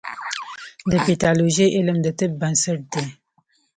د پیتالوژي علم د طب بنسټ دی.